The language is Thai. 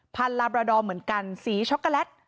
พันลาบรดอเหมือนกันสีช็อกโกแลต